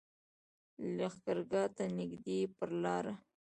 لښکرګاه ته نږدې پر لاره.